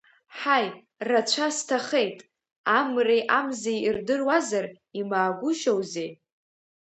Ҳаи, рацәа сҭахеит, Амреи Амзеи ирдыруазар, имаагәышьоузеи?!